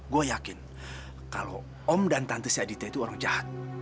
gue yakin kalau om dan tante si adita itu orang jahat